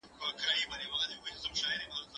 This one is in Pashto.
زه به مکتب ته تللي وي!.